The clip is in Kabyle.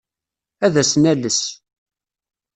Ad as-nales.